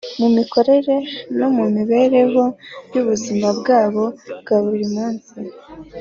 mu mikorere no mu mibereho y’ubuzima bwabo bwa buri munsi.